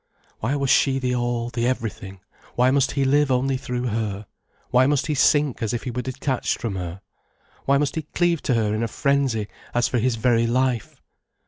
Why was she the all, the everything, why must he live only through her, why must he sink if he were detached from her? Why must he cleave to her in a frenzy as for his very life?